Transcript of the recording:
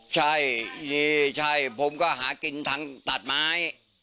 ใช่นี่ใช่ผมก็หากินทางตัดไม้